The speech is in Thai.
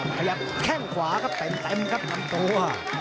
ขยับแข้งขวาก็เต็มครับทั้งตัว